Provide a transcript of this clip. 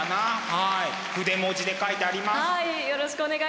はい。